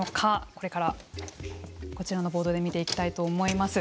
これからこちらのボードで見ていきたいと思います。